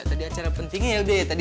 tadi acara pentingnya ya udah ya